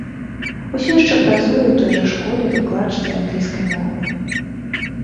Усё яшчэ працуе ў той жа школе выкладчыцай англійскай мовы.